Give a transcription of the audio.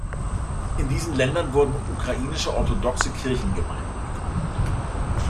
In diesen Ländern wurden Ukrainische Orthodoxe Kirchengemeinden gegründet.